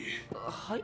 はい？